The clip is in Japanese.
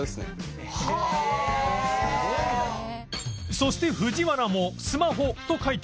そして藤原もスマホと書いたが